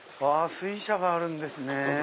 水車があるんですね！